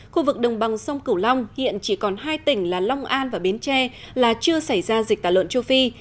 khu vực đồng bằng sông cửu long hiện chỉ còn hai tỉnh là long an và biến tre là chưa xảy ra dịch tả lợn châu phi